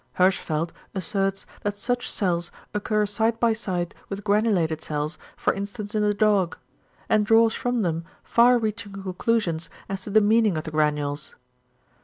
Hirschfeld asserts that such cells occur side by side with granulated cells, for instance in the dog; and draws from them far reaching conclusions as to the meaning of the granules.